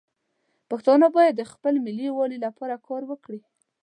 پښتانه باید د خپل ملي یووالي لپاره کار وکړي.